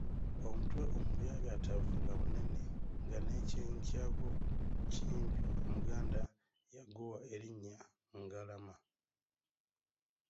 Omutwe omubyabyatavu nga munene nga n’ekyenyi kyagwo kimpi omuganda yaguwa elinnya Ngalama.